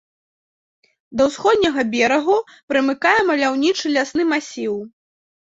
Да ўсходняга берагу прымыкае маляўнічы лясны масіў.